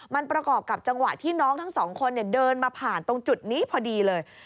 มันประกอบกับจังหวะที่น้องทั้งสองคนเดินมาผ่านตรงจุดนี้พอดีเลย